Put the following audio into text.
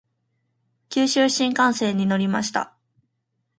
九州新幹線に乗りました。